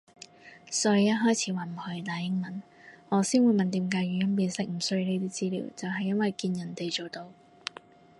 所以一開始話唔可以打英文，我先會問點解語音辨識唔需要呢啲資料就係因為見人哋做到